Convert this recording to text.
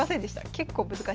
結構難しいです。